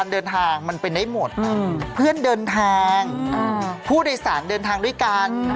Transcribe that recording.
เดินทางของแท้เป็นรักแท้ไหมคะ